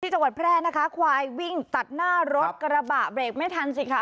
จังหวัดแพร่นะคะควายวิ่งตัดหน้ารถกระบะเบรกไม่ทันสิค่ะ